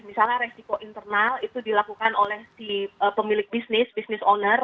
misalnya resiko internal itu dilakukan oleh si pemilik bisnis bisnis owner